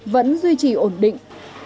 vẫn là một lượng du khách cao nhất cả nước